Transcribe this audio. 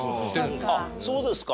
あっそうですか。